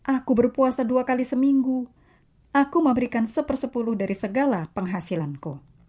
aku berpuasa dua kali seminggu aku memberikan sepersepuluh dari segala penghasilanku